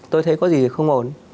tôi thấy có gì thì không ổn